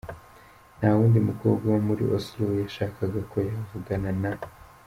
Ntawundi mukobwa wo muri Oslo yashakaga ko yavugana na.